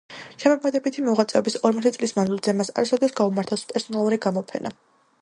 შემოქმედებითი მოღვაწეობის ორმოცი წლის მანძილზე მას არასოდეს გაუმართავს პერსონალური გამოფენა.